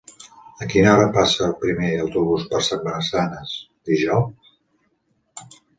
A quina hora passa el primer autobús per Massanes dijous?